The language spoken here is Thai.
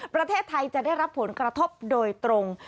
ประเทศไทยจะได้รับผลกระทบโดยตรง